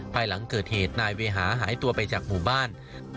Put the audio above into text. ภายหลังเกิดเหตุนายเวหาหายตัวไปจากหมู่บ้าน